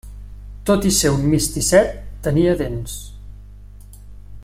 Tot i ser un misticet tenia dents.